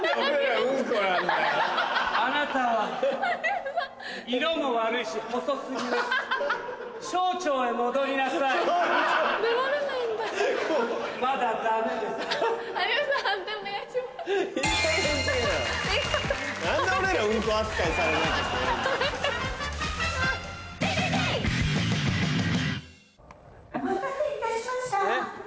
お待たせいたしました。